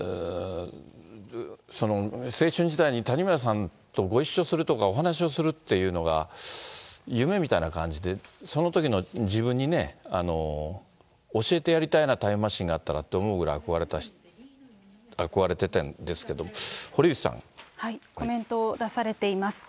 青春時代に谷村さんとご一緒するとか、お話をするっていうのが夢みたいな感じで、そのときの自分にね、教えてやりたいな、タイムマシンがあったらって思うぐらい憧れてたんですけど、堀内コメントを出されています。